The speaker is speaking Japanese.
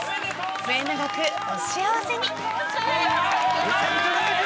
末永くお幸せに。